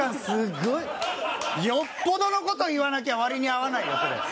よっぽどの事言わなきゃ割に合わないよそれ。